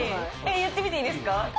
言ってみていいですか？